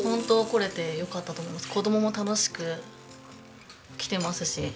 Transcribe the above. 子供も楽しく来てますし。